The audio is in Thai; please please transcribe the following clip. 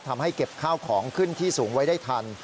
ทำให้เก็บข้าวของขึ้นที่สูงไว้ได้ทัน